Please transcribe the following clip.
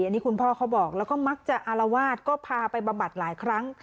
อันนี้คุณพ่อเขาบอกแล้วก็มักจะอารวาสก็พาไปบำบัดหลายครั้ง